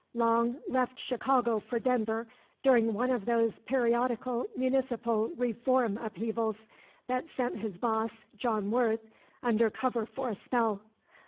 Long left Chicago for Denver during one of those periodical municipal reform upheavals that sent his boss, John Worth, under cover for a spell.